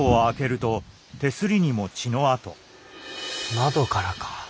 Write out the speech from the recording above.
窓からか。